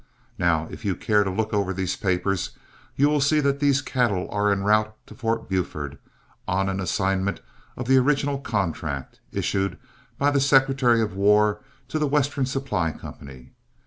Now, if you care to look over these papers, you will see that these cattle are en route to Fort Buford, on an assignment of the original contract, issued by the secretary of war to The Western Supply Company.